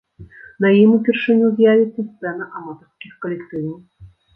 На ім упершыню з'явіцца сцэна аматарскіх калектываў.